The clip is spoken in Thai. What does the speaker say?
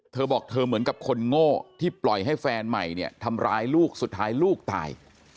เธอบอกเธอเหมือนกับคนโง่ที่ปล่อยให้แฟนใหม่เนี่ยทำร้ายลูกสุดท้ายลูกตาย